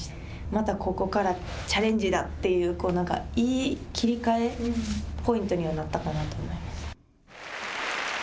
またここからチャレンジだといういい切りかえポイントにはなったかなと思います。